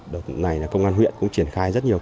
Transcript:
đợt này là công an huyện cũng triển khai rất là đúng